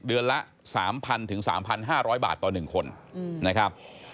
เดือนละ๓๐๐๓๕๐๐บาทต่อ๑คนนะครับ